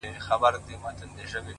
ستا په سترگو کي سندري پيدا کيږي،